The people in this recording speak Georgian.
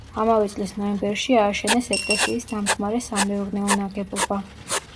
ამავე წლის ნოემბერში ააშენეს ეკლესიის დამხამრე სამეურნეო ნაგებობა.